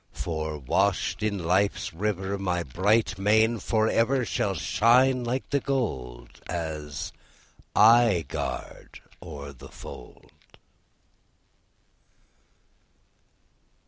For, washed in life's river, My bright mane for ever Shall shine like the gold, As I guard o'er the fold.